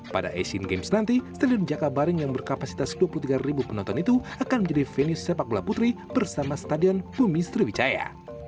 pada asian games nanti stadion jakabaring yang berkapasitas dua puluh tiga ribu penonton itu akan menjadi venue sepak bola putri bersama stadion bumi sriwijaya